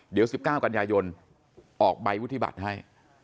เดี๋ยว๑๙กันยายนออกใบวุฒิบัตรให้